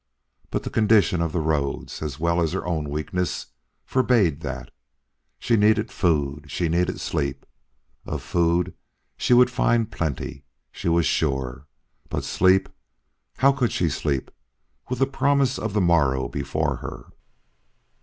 But the condition of the roads, as well as her own weakness, forbade that. She needed food: she needed sleep. Of food she would find plenty, she was sure; but sleep! How could she sleep, with the promise of the morrow before her?